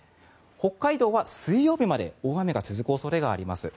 北海道は水曜日まで大雨が続く恐れがあります。